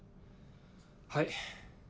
はい。